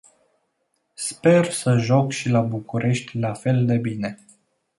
Sper să joc și la București la fel de bine.